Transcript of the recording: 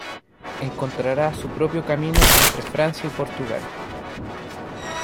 Encontrará su propio camino entre Francia y Portugal.